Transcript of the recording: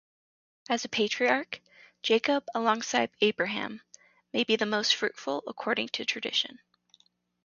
As a patriarch, Jacob, alongside Abraham, may be the most fruitful according to tradition.